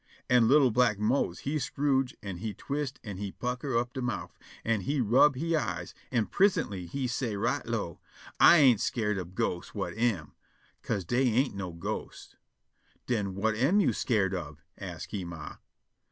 An' li'l' black Mose he scrooge', and he twist', an' he pucker' up de mouf, an' he rub' he eyes, an' prisintly he say' right low: "I ain' skeered ob ghosts whut am, 'ca'se dey ain' no ghosts." "Den whut am yo' skeered ob?" ask he ma.